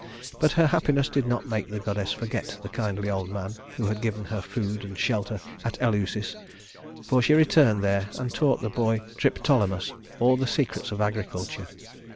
But her happiness did not make the goddess forget the kindly old man who had given her food and shelter at Eleusis, for she returned there and taught the boy Triptolemus all the secrets of agriculture.